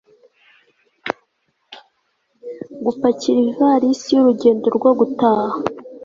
gupakira ivalisi y'urugendo rwo gutaha